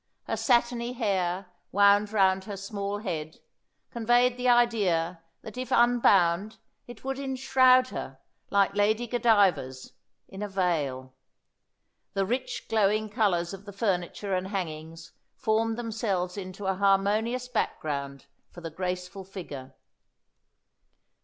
Her satiny hair, wound round her small head, conveyed the idea that if unbound it would enshroud her, like Lady Godiva's, in a veil. The rich glowing colours of the furniture and hangings formed themselves into a harmonious background for the graceful figure.